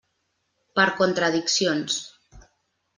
Per contradiccions.